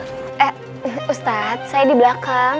eh ustadz saya di belakang